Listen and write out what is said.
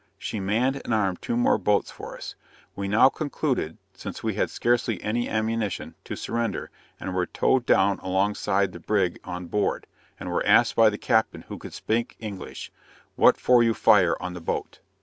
She manned and armed two more boats for us. We now concluded, since we had scarcely any ammunition, to surrender; and were towed down along side the brig on board, and were asked by the captain, who could speak English, "what for you fire on the boat?"